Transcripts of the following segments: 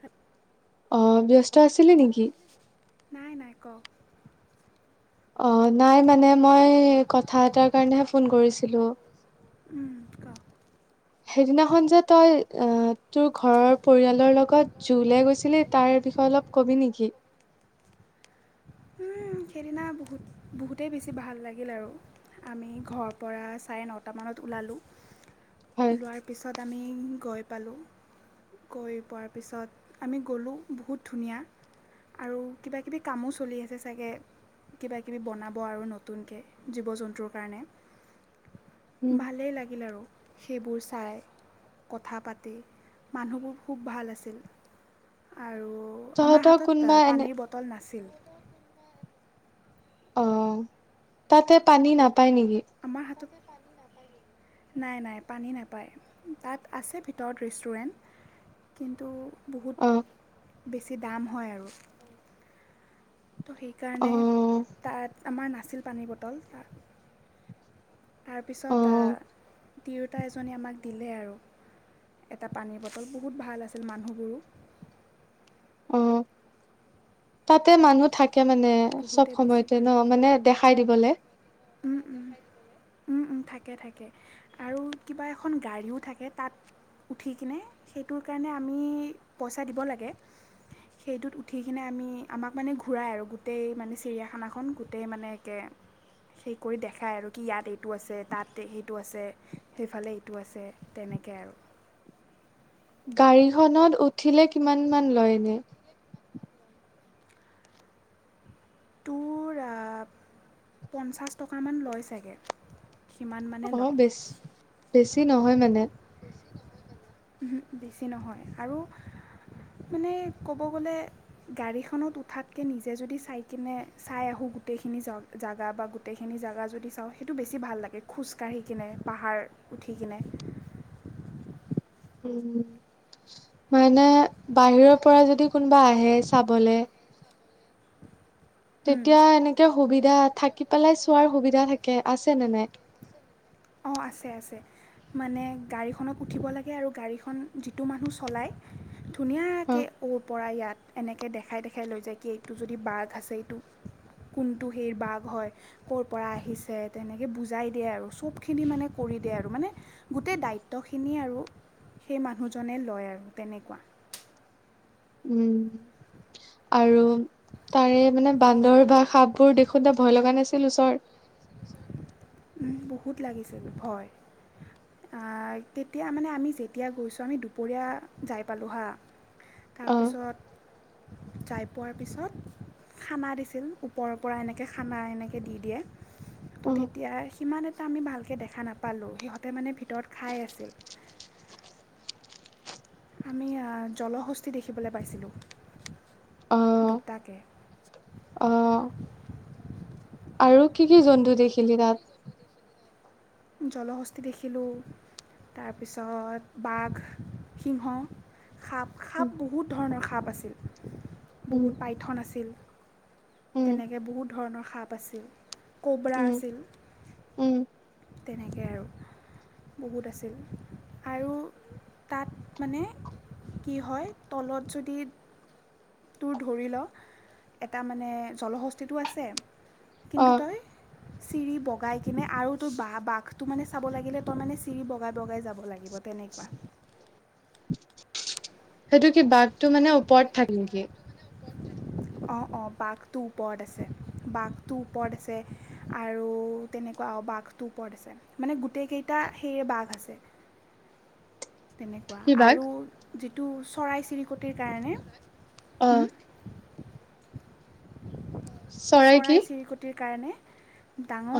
হ অ ব্যস আছিলে নেকি নাই নাই কওক অ নাই মানে মই কথা এটাৰ কাৰণেহে ফোন কৰিছিলো কওক সেইদিনাখন যে তই আহ তোৰ ঘৰৰ পৰিয়ালৰ লগত জু লেই গৈছিলি তাৰ বিষয়ে অলপ কবি নেকি সেইদিনা বহুত বহুতেই বেছি ভাল লাগিল আৰু আমি ঘৰৰ পৰা চাৰে নটামানত ওলালোঁ হয়, লোৱাৰ পিছত তাত আমি গৈ পালোঁ গৈ পোৱাৰ পিছত আমি গ'লোঁ বহুত ধুনীয়া আৰু কিবাকিবি কামো চলি আছে চাগে কিবাকিবি বনাব আৰু নতুনকৈ জীৱ জন্তুৰ কাৰণে উম, ভালেই লাগিল আৰু সেইবোৰ চাই কথা পাতি মানুহবোৰ খুব ভাল আছিল আৰু আমাৰ তহঁতৰ হাতত কোনোবা এনে পানীৰ বটল নাছিল অ তাতে পানী নাপ পায় নেকি আমাৰ হাতত নাই নাই পানী নাপায় তাত আছে ভিতৰত ৰেষ্টুৰেণ্ট কিন্তু বহুত অ' বেছি দাম হয় আৰু ত' সেইকাৰণে অ' তাত আমাৰ ন আছিল পানীৰ বটল তাত তাৰপিছত অ' তিয়োতা এজনী আমাক দিলে আৰু এটা পানীৰ বটল বহুত ভাল আছিল মানুহবোৰো অ তাতে মানুহ থাকে তাকে মানে চব বহুতে বেছি সময়তে ন মানে দেখ খাই দিবলৈ অ অথাকে থাকে আৰু কিবা এখন গাড়ীও থাকে তাত উঠি কিনে সেইটোৰ কাৰণে আমি পইচা দিব লাগে সেইটোত উঠি কিনে আমি আমাক মানে ঘূৰাই আৰু গোটেই মানে চিৰিয়াখানাখন গোটেই মানে একে সেই কৰি দেখায় আৰু কি ইয়াত এইটো আছে তাত সেইটো আছে সেইফালে এইটো আছে তেনেকৈ আৰু গাড়ীখনত উঠিলে কিমান মান লয় এনে তোৰ পঞ্চাছ টকা মান লয় চাগে সিমান মানে অ লয় বেছ বেছি নহয় মানে বেছি নহয় আৰু মানে ক'ব গ'লে গাড়ীখনত উঠাতকৈ নিজে যদি চাই কিনে চাই আহোঁ গোটেইখিনি জেগা বা গোটেইখিনি জেগা যদি চাওঁ সেইটো বেছি ভাল লাগে খোজকাাঢ়ি কিনে পাহাৰ উঠি কিনে উ মানে বাহিৰৰ পৰা যদি কোনোবা আহে চাবলে তেতিয়া এনেকে সুবিধ ত্যা থাকি পেলাই চোৱাৰ সুবিধা থাকে আছে নে নাই অঁ আছে আছে মানে গাড়ীখনত উঠিব লাগে আৰু গাড়ীখন যিটো মানুহ চলায় অ ধুনীয়াকে ও পৰা ইয়াত এনেকৈ দেখাই দেখাই লৈ যায় কি এইটো যদি বাঘ আছে এইটো কোনটো সেই বাঘ হয় ক'ৰ পৰা আহিছে তেনেকৈ বুজাই দিয়ে আৰু চব খিনি মানে কৰি দিয়ে আৰু মানে গোটেই দায়িত্বখিনি আৰু সেই মানুহজনে লয় আৰু তেনেকুৱা উম আৰু তাৰে মানে বান্দৰ বা সাপবোৰ দেখোতে ভয় লগা নাছিল ওচৰত বহুত লাগিছিল ভয় আ তেতিয়া মানে আমি যেতিয়া গৈছো আমি দুপৰীয়া যাই পালোঁ হা অ তাৰপিছত যাই পোৱাৰ পিছত খানা দিছিল ওপৰৰ পৰা এনেকে খানা এনেকে দি দিয়ে ত' অ তেতিয়া সিমান এটা আমি ভালকে দেখা নাপালোঁ সিহঁতে মানে ভিতৰত খাই আছিল আমি জলহস্তি দেখিবলৈ পাইছিলোঁ অ দুটাকে অ আৰু কি কি জন্তু দেখিলি তাত জলশস্তি দেখিলোঁ তাৰপিছত বাঘ, সিংহ সাপ সাপ উম বহুত ধৰণৰ সাপ আছে [unintelligible] উম বহুত পাইথন আছিল উম তেনেকে বহুত ধৰণৰ সাপ আছিল ক'বৰা উম আছিল উম তেনেকৈ আৰু বহুত আছিল আৰু তাত মানে কি হয় তলত যদি তোৰ ধৰি ল এটা মানে জলহস্তিটো আছে অ কিন্তু তই চিৰি বগাই কিনে আৰু বা বাঘ তটো মানে চাব লাগিলে তই মানে চিৰি বগাই বগাই যাব লব লাগিব তেনেকোৱা সেইটো কি বাঘটো মানে ওপৰত থাকে নেকি? অঁ অঁ বাঘটো ওপৰত আছে বাঘটো ওপৰত আছে আৰু তেনেকুৱা বাঘটো ওপৰত আছে মানে গোটেই কেইটা সেই বাঘ আছে তেনেকুৱা কি বাঘ? আৰু যিটো চৰাই চিৰিকটিৰ কাৰণে অ চৰাই চিৰিকটিৰ কাৰণে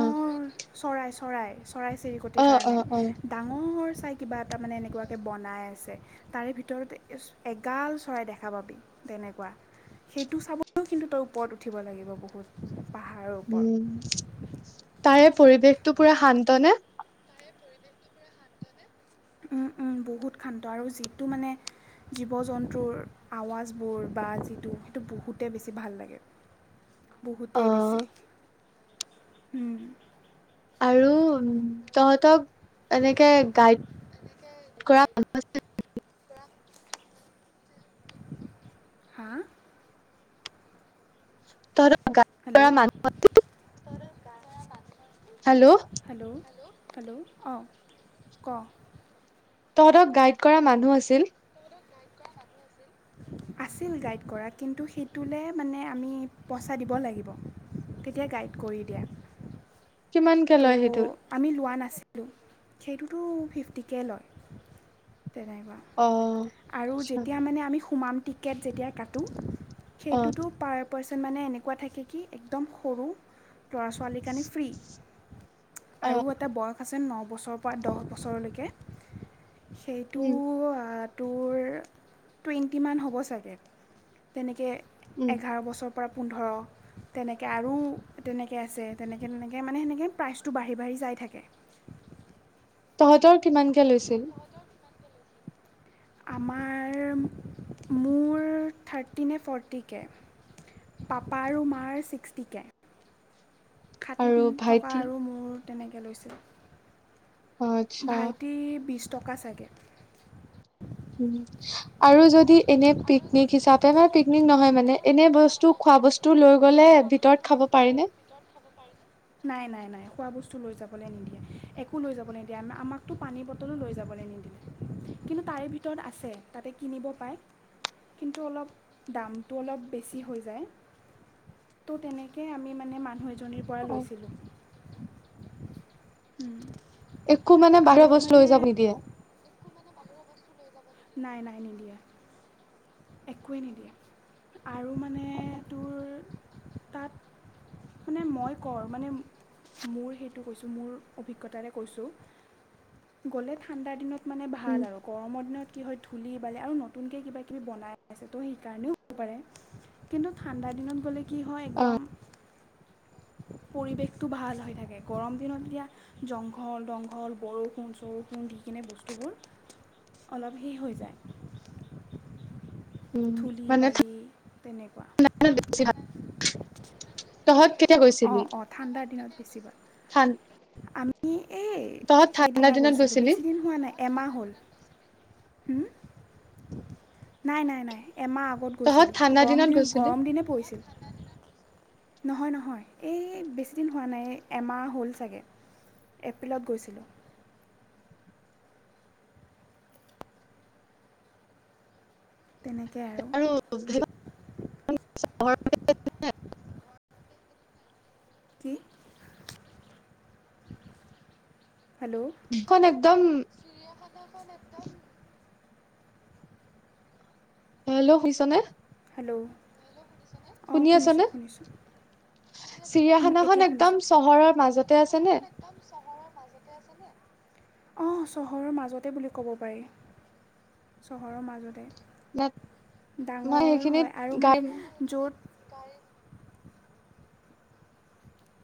অ চৰাই চৰাই চৰাই চিৰিকটিৰ অ অ কাৰণে অ ডাঙৰ চাই কিবা এটা মানে এনেকুৱাকৈ বনাই আছে চাগে কিবা এটা মানেএনেকোৱা বনাই আছে তাৰে ভিতৰত এগাল চৰাই দেখা পাবি তেনেকুৱা সেইটো চাবলৈও কিন্তু তই ওপৰত উঠিব লাগিব বহুত খুচ উম তাৰে পৰিৱেশটো পোৰা শান্ত নে? ওম ওম বহুত শান্ত আৰু যিটো মানে জীৱ জন্তুৰ আৱাজবোৰ বা যিটো সেইটো বহুতেই বেছি ভাল লাগে অ বহুতেই বেছি উম আৰু উ তহঁতক এনেকে গাইড কৰা কোনোবা যদি থাকিলে হয় হাঁআঁ তঁহতক হেল্ল'ও তঁহতৰ গা ধোৱা হেল্ল' পানী হেল্ল' হেল্ল' অঁ ক তহঁতক গাইড কৰা মানুহ আছিল আছিল গাইড কৰা কিন্তু সেইটোলৈ মানে আমি পইচা দিব লাগিব তেতিয়া গাইড কৰি দিয়ে কিমানকে তো লয় সেইটোত আমি লোৱা সেইটোতো ফিফটিক কে লয় তেনেকুৱা অ আৰু আচ্ছা যেতিয়া মানে আমি সোমাম টিকেট যেতিয়া কাটো অ সেইটোতো পাৰ পইচা মানে এনেকুৱা থাকে কি একদম সৰু ল'ৰা ছোৱালী কাৰণে ফ্ৰী অ আৰু এটা বৰফ আছে ন বছৰৰ পৰা দহ বছৰলৈকে সেইটো উম টোৰ টুৱেণ্টিমান হ'ব চাগে তেনেকৈ উম এঘাৰ বছৰ পোৰা পোন্ধৰ তেনেকে আৰু তেনেকে আছে তেনেকে তেনেকে মানে সেনেকে প্ৰাইচটো বাঢ়ি বাঢ়ি যাই থাকে তহঁতৰ কিমানকে লৈছিল আমাৰ মোৰ থাৰ্টি নে ফৰ্টিকে পাপা আৰু মাৰ ছিক্সটিকে খতি আৰু থকা ভাইটি আৰু মোৰ তেনেকৈ অ লৈছিলোঁ আচ্ছা ভাইটি বি টকা চাগে আৰু যদি এনে পিকনিক হিচাপে বা পিকনিক নহয় মানে এনে বস্তু খোৱা বস্তু লৈ গ'লে ভিতৰত খাব পাৰিনে নাই নাই নাই খোৱা বস্তু লৈ যাবলৈ নিদিয়ে একো লৈ যাব নিদিয়ে আমাকতো পানীৰ বটলো লৈ যাবলৈ নিদিলে কিন্তু তাৰে ভিতৰত আছে তাতে কিনিব পায় কিন্তু অলপ দামটো অলপ বেছি হৈ যায় ত' তেনেকে আমি মানে মানুহে নিৰ পৰা অ লৈছিলোঁ উম একো মানে বাহীৰা আৰু বস্তু মানে লৈ যাব নি দিয়ে নাই নাই নিদিয়ে একোৱেই নিদিয়ে আৰু মানে তোৰ তাত মানে মই কওঁ মানে মোৰ সেইটো কৈছোঁ মোৰ অভিজ্ঞতাৰে কৈছোঁ গ'লে ঠাণ্ডা দিনত মানে উম ভাল আৰু গৰমৰ দিনত কি হয় ধূলি বালি আৰু নতুনকৈ কিবা কিবি বনাই আছে ত' সেইকাৰণেও হ'ব পাৰে কিন্তু ঠাণ্ডা দিনত গ'লে কি হয় অ একদম পৰিৱেশটো ভাল হৈ থাকে গৰম দিনত এতিয়া জংঘল দংঘল বৰষুণ চৰষুণ দি কিনে বস্তুবোৰ অলপ শেষ হৈ যায় ধুলি মানে বালি তেনেকুৱা তহঁত কেতিয়া অ গৈছিলি অ ঠাণ্ডাৰ দিনত বেছি ভাল ঠান আমি এই তহঁত ঠাণ্ডা সেইদিনা দিনত গৈছিলোঁ গৈছিলি বেছি দিন হোৱা নাই এমাহ হ'ল উ নাই নাই নাই এমাহ কত তহঁত গৈছিলোঁ ঠাণ্ডা গৰম দিনত দিন গৈছিলি গৰম দিনে পৰিছিল নহয় নহয় এই বেছিদিন হোৱা নাই এমাহ হ'ল চাগৈ এপ্ৰিলত গৈছিলোঁ তেনেকেই আৰু [unintelligible] কি হেল্ল' খন একদম হেল্ল' শুনিছ নে হেল্ল' অঁ শুনি আচানে শুনিছোঁ শুনিছোঁ শুনি আছানে? উম, এতিয়া চিৰিয়াখানাখন শুনিছোঁ একদম চহৰৰ মাজতে আছেনে অঁ চহৰৰ মাজতে বুলি ক'ব পাৰি চহৰৰ মাজতে ন মই ডাঙৰ সেইখিনিত হয় আৰু মানে গাইম য'ত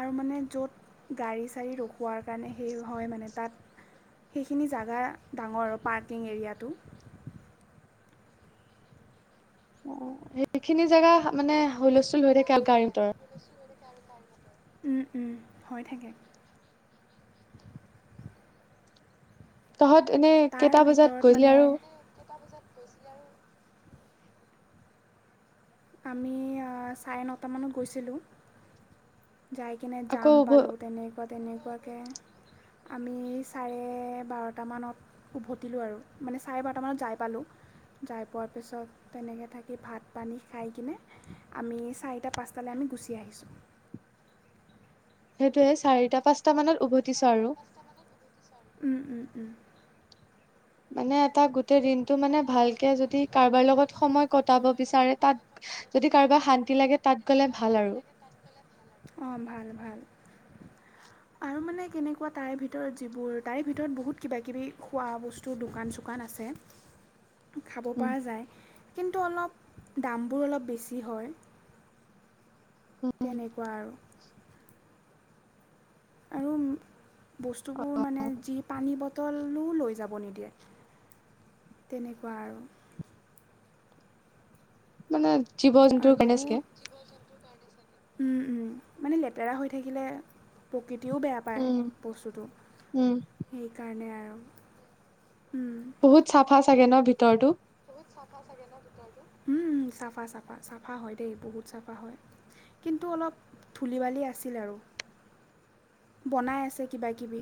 আৰু মানে য'ত গাড়ী চাড়ী ৰখোৱাৰ কাৰণে সেই হয় মানে তাত সেইখিনি জেগা ডাঙৰ আৰু পাৰ্কিং এৰিয়াটো অ সেইখিনি জেগা মানে হুলস্থুল হৈ থাকেল গাড়ীতৰ উম উম হৈ থাকে তহঁত এনে কেইটা বজাত গৈলি আৰু গৈছিলে আৰু আমি চাৰে নটামানত গৈছিলোঁ যাই কিনে আকৌ যাম উভ পালো তেনেকুৱা তেনেকে এনেকুৱাকে আমি চাৰে বাৰটামানত উভতিলোঁ আৰু মানে চাৰে বাৰটামানত যাই পালোঁ যাই পোৱাৰ পিছত তেনেকৈ থাকি ভাত পানী খাই কিনে আমি চাৰিটা পাঁচটালে আমি গুচি আহিছোঁ সেইটোয়ে চাৰিটা পাঁচটা মানত উভতিছো আৰু উম উম উম মানে এটা গোটেই দিনটো মানে ভালকে যদি কাৰোবাৰ লগত সময় কটাব বিচাৰে তাত যদি কাৰোবাৰ শান্তি লাগে তাত গলে ভাল আৰু অ ভাল ভাল আৰু মানে কেনেকুৱা তাৰে ভিতৰত যিবোৰ তাৰে ভিতৰত বহুত কিবা কিবি খোৱা বস্তু দোকান চোকান আছে খাব উম পৰা যায় কিন্তু অলপ দামবোৰ অলপ বেছি হয় তেনেকুৱা আৰু আৰু বস্তুবোৰ মানে যি পানী বটল বটলো লৈ যাব নিদিয়ে তেনেকুৱা আৰু মানে জীৱ জন্তুৰ কাৰণে ছাগে উম উম মানে লেতেৰা হৈ থাকিলে প্ৰকৃতিও বেয়া পায় উম, বস্তুটো উম, সেইকাৰণে আৰু উম বহুত চাফা চাগে ন ভিতৰতো উম চাফা চাফা চাফা হয় দেই বহুত চাফা হয় কিন্তু অলপ ধূলি বালি আছিলে আৰু বনাই আছে কিবা কিবি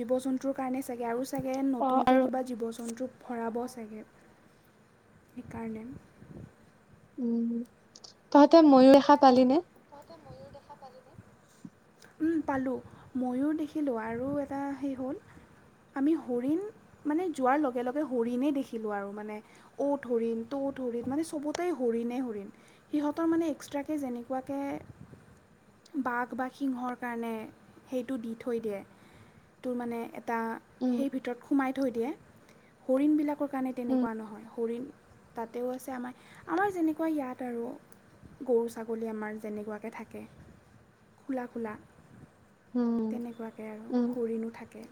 জীৱ জন্তুৰ কাৰণে চাগে আৰু চাগে নতুনকৈ কিবা জীৱ জন্তু ভৰাব চাগে সেইকাৰণে উম তহঁতে ময়ূৰ দেখা পালি নে উম পালো ময়ুৰ দেখিলো আৰু এটা সেই হ'ল আমি ময়ুৰ দেখা পালি নে? হৰিণ মানে যোৱাৰ লগে লগে হৰিণেই দেখিলো আৰু মানে অত হৰিণ তত হৰিণ মানে চবতে হৰিণে হৰিণ সিহঁতৰ মানে এক্সট্ৰাকে যেনে কোৱাকে বাঘ বা সিংহৰ কাৰণে সেইটো দি থৈ দিয়ে তোৰ মানে তটা উম, সেই ভিতৰত সোমাই থৈ দিয়ে হৰিণ বিলাক কাৰণে তেনেকুৱা নহয় হৰিণ তাতেও আছে আমাৰ আমাৰ যেনেকুৱা ইয়াত আৰু গৰু ছাগলী ছাগলী আমাৰ যেনেকুৱাকৈ থাকে খোলা খোলা। উম, তেনেকুৱাকে আৰু উম, হৰিণো থাকে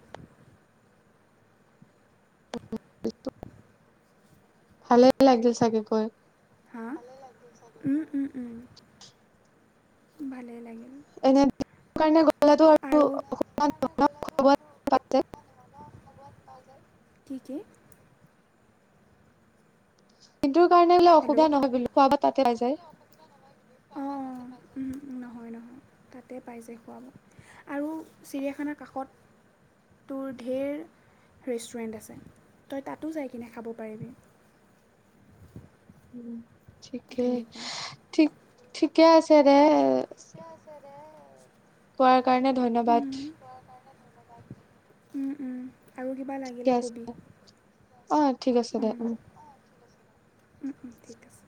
ভালে লাগিল চাগে গৈ হাঁ উম উম উম ভালেই লাগে এনে [unintelligible] আৰু [unintelligible] [unintelligible] সেইটোৰ কাৰণে কি বোলে কি অসুবিধা নহয় বো খোৱা ব হেল্ল' তাতে সেইটো আ যায় অঁ অঁ নহয় নহয় তাতে পাইছে খোৱাব আৰু চিৰিয়াখানাৰ কাষত তোৰ ঢেৰ ৰেষ্টুৰেণ্ট আছে তই তাতো যাই কিনে খাব পাৰিবি উম [unintelligible] ঠিকেই তেনেকুৱা ঠিক ঠিকে আছে দে ঠিকে আছে [unintelligible] কোৱাৰ কাৰণে ধন্যবাদ উ-উ। ঠিকে আছে অ ঠিক আছে দে উ উম উম ঠিক আছে